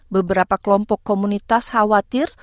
beberapa kelompok komunitas khawatir